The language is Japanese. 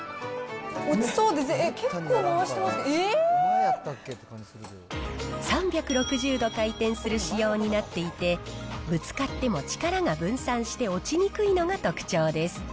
落ちそうで、結構回してますけど、えー！３６０度回転する仕様になっていて、ぶつかっても力が分散して落ちにくいのが特徴です。